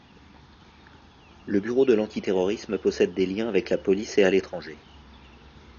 Le Bureau de l'antiterrorisme possède des liens avec la police et à l'étranger.